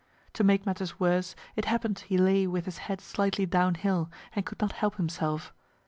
To make matters worse, it happen'd he lay with his head slightly down hill, and could not help himself.